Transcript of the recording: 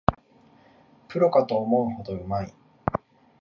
プロかと思うほどうまい